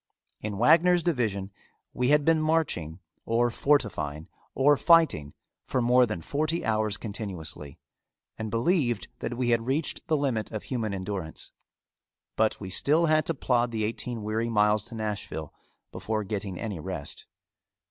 In Wagner's division we had been marching, or fortifying, or fighting for more than forty hours continuously, and believed that we had reached the limit of human endurance, but we still had to plod the eighteen weary miles to Nashville before getting any rest.